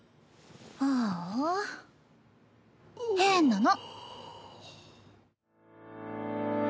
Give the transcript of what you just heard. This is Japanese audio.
あぁあ変なの！